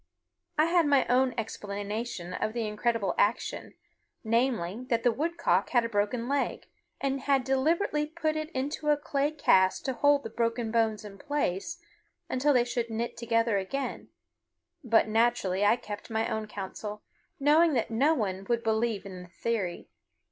I had my own explanation of the incredible action, namely, that the woodcock had a broken leg, and had deliberately put it into a clay cast to hold the broken bones in place until they should knit together again; but naturally I kept my own counsel, knowing that no one would believe in the theory.